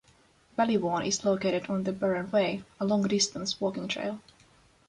Ballyvaughan is located on the Burren Way, a long-distance walking trail.